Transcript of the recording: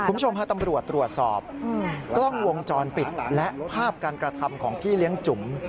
คุณผู้ชมฮะตำรวจตรวจสอบกล้องวงจรปิดและภาพการกระทำของพี่เลี้ยงจุ๋ม